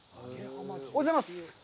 おはようございます。